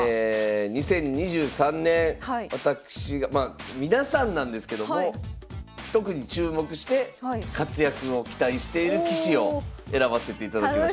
２０２３年私がまあ皆さんなんですけども特に注目して活躍を期待している棋士を選ばせていただきましたので。